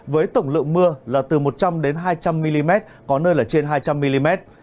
với tổng lượng mưa là từ một trăm linh hai trăm linh mm có nơi là trên hai trăm linh mm